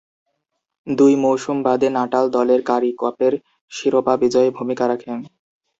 দুই মৌসুম বাদে নাটাল দলের কারি কাপের শিরোপা বিজয়ে ভূমিকা রাখেন।